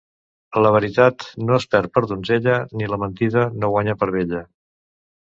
La veritat no es perd per donzella, ni la mentida no guanya per vella.